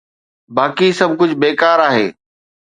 باقي سڀ ڪجهه بيڪار آهي.